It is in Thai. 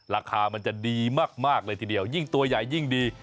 ราคามันจะดีมากเลยทีเดียวยิ่งตัวใหญ่ยิ่งดี